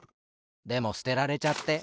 でもすてられちゃって。